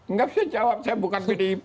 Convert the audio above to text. enggak bisa jawab saya bukan pdip